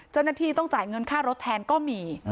เจ้าหน้าที่ต้องจ่ายเงินค่ารถแทนก็มี